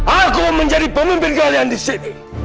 aku menjadi pemimpin kalian disini